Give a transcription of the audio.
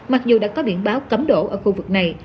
mặc dù đã có biển báo cấm đổ ở khu vực này